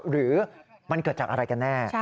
หรือมันเกิดจากอะไรกันแน่